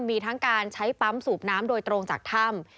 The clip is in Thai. มีทั้งการใช้ปั๊มสูบน้ำโดยตรงจากถ้ำ